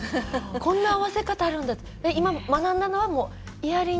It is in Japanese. こんな合わせ方があるんだ。